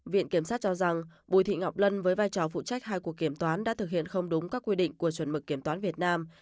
viện kiểm sát cho rằng bùi thị ngọc lâm với vai trò phụ trách hai cuộc kiểm toán đã thực hiện không đúng các quy định của chuẩn mực kiểm toán việt nam